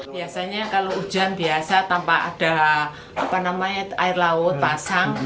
biasanya kalau hujan biasa tanpa ada air laut pasang